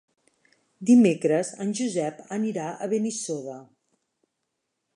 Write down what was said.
Dimecres en Josep anirà a Benissoda.